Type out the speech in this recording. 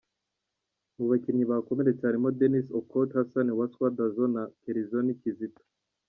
Mu bakinnyi bakomeretse harimo Denis Okot, Hassan Wasswa Dazo na Kezironi Kizito.